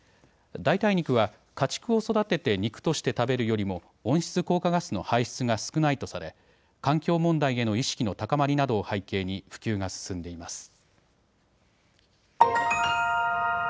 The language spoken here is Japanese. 代替肉は家畜を育てて肉として食べるよりも温室効果ガスの排出が少ないとされ環境問題への意識の高まりなどを背景に普及が進んでいます。